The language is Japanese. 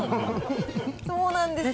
そうなんです。